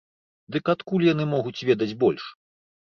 Дык адкуль яны могуць ведаць больш?